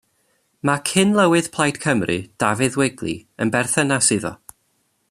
Mae cyn-lywydd Plaid Cymru, Dafydd Wigley, yn berthynas iddo.